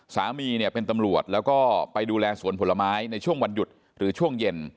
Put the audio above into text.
สามีเนี่ยเป็นตำรวจแล้วก็ไปดูแลสวนผลไม้ในช่วงวันหยุดหรือช่วงเย็น